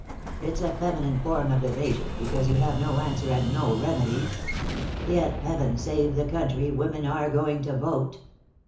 It's a feminine form of evasion, because you have no answer and no remedy. Yet, heaven save the country, women are going to vote!"